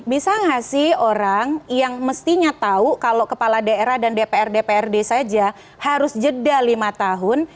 bisa nggak sih orang yang mestinya tahu kalau kepala daerah dan dpr dprd saja harus jeda lima tahun